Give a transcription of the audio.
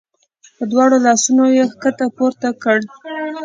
په دواړو لاسونو یې ښکته پورته کړ.